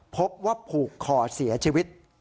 พบว่าผูกคอเสียชีวิต